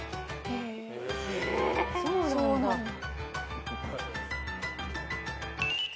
そうなんだ。